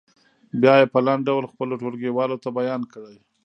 بیا یې په لنډ ډول خپلو ټولګیوالو ته بیان کړئ.